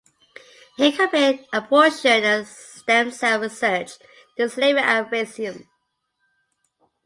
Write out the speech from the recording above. He compared abortion and stem-cell research to slavery and racism.